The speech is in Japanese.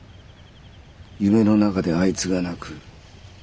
夢の中であいつが泣く。